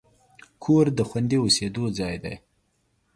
کور د خوندي اوسېدو ځای دی.